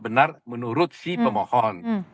benar menurut si pemohon